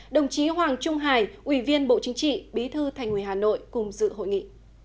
đồng chí hoàng trung hải ủy viên bộ chính trị bí thư thành ủy hà nội cùng dự hội nghị